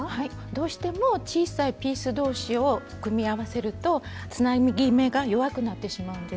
どうしても小さいピースどうしを組み合わせるとつなぎ目が弱くなってしまうんですね。